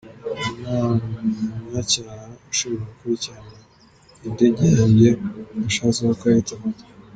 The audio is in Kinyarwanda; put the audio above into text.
Ubu nta munyacyaha ushobora gukora icyaha ngo yidegembye uko ashatse kuko ahita afatwa.